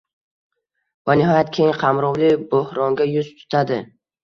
va nihoyat, keng qamrovli bo‘hronga yuz tutadi.